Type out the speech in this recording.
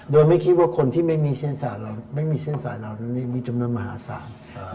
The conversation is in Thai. โดยไม่คิดว่าคนที่ไม่มีเส้นไม่มีเส้นสายเหล่านั้นมีจำนวนมหาศาล